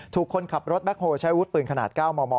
ถูกคนขับรถแบ็คโฮล์ใช้อาวุธปืนขนาดเก้าหมอ